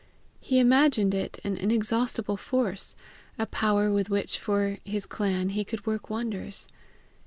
He imagined it an inexhaustible force, a power with which for his clan he could work wonders.